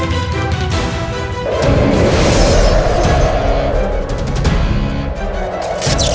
sama sama dengan kamu